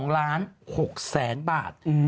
๒ล้าน๖แสนบาท